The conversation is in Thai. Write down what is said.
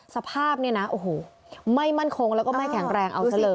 สภาพเนี่ยนะโอ้โหไม่มั่นคงแล้วก็ไม่แข็งแรงเอาซะเลย